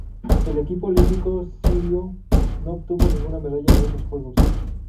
El equipo olímpico sirio no obtuvo ninguna medalla en estos Juegos.